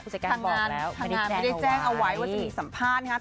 ทางงานไม่ได้แจ้งเอาไว้ว่าจะมีสัมภาษณ์นะครับ